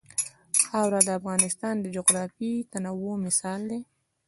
خاوره د افغانستان د جغرافیوي تنوع مثال دی.